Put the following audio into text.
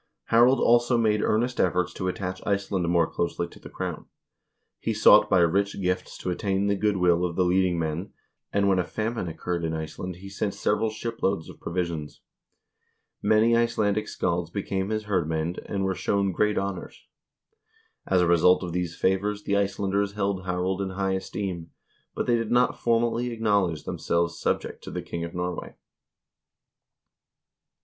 Harald also made earnest efforts to attach Iceland more closely to the crown. He sought by rich gifts to gain the good will of the leading men, and when a famine occurred in Iceland, he sent several shiploads of provisions. Many Icelandic scalds became his hirdmwnd and were shown great honors. As a result of these favors the Icelanders held Harald in high esteem, but they did not formally acknowledge themselves subject to the king of Norway.